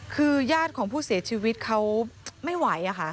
คือญาติของผู้เสียชีวิตเขาไม่ไหวอะค่ะ